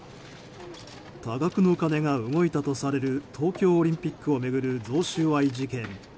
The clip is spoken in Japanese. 多額の金が動いたとされる東京オリンピックを巡る贈収賄事件。